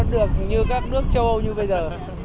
được như các nước châu âu như bây giờ